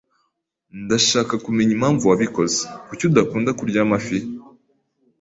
Ndashaka kumenya impamvu wabikoze. Kuki adakunda kurya amafi?